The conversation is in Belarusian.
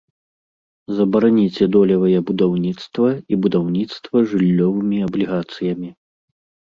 Забараніце долевае будаўніцтва і будаўніцтва жыллёвымі аблігацыямі.